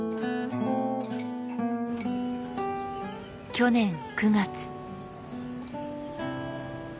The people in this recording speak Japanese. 去年９月。